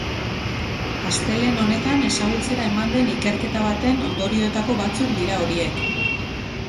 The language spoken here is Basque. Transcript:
Astelehen honetan ezagutzera eman den ikerketa baten ondorioetako batzuk dira horiek.